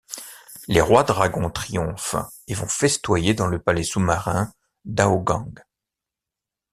Les rois-dragons triomphent et vont festoyer dans le palais sous-marin d'Ao Guang.